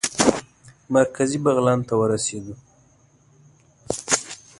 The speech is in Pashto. مرکزي بغلان ته ورسېدو.